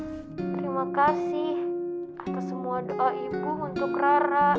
terima kasih atas semua doa ibu untuk rara